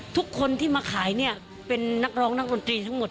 ทุกคนที่มาขายเนี่ยเป็นนักร้องนักดนตรีทั้งหมด